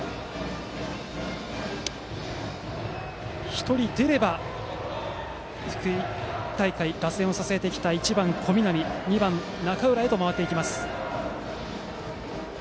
１人出れば、福井大会で打線を支えてきた１番の小南と２番の中浦へ回ります。